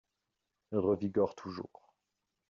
Revigore toujours